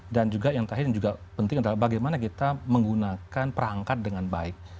dan juga yang terakhir yang penting adalah bagaimana kita menggunakan perangkat dengan baik